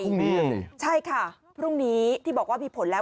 พรุ่งนี้อันนี้ใช่ค่ะพรุ่งนี้ที่บอกว่ามีผลแล้ว